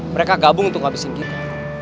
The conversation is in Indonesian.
mereka gabung untuk ngabisin kita